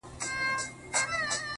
سترگه وره مي په پت باندي پوهېږي،